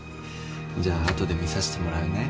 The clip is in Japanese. じゃあ後で見さしてもらうね。